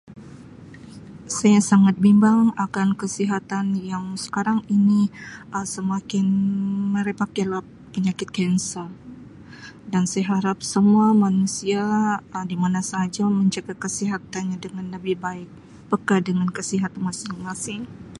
Saya sangat bimbang akan kesihatan yang sekarang ini Um semakin merebak [unintelligible] penyakit kanser dan saya harap semua manusia Um di mana saja menjaga kesihatan nya dengan lebih baik, peka dengan kesihat masing-masing